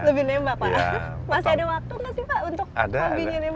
lebih nembak pak masih ada waktu nggak sih pak untuk hobinya nembak